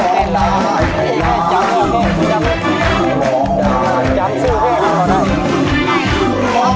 เพลงที่๑มูลค่า๑๐๐๐๐บาทน้องวิร้อง